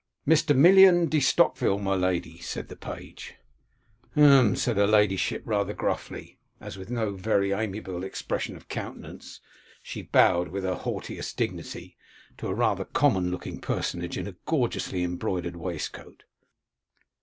'Mr. Million de Stockville, my lady,' said the page. 'Hem!' said her ladyship, rather gruffly, as, with no very amiable expression of countenance, she bowed, with her haughtiest dignity, to a rather common looking personage in a gorgeously embroidered waistcoat.